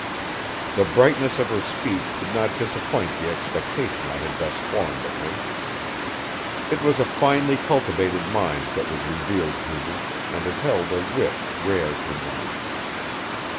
The brightness of her speech did not disappoint the expectation I had thus formed of her. It was a finely cultivated mind that was revealed to me, and it held a wit rare to woman.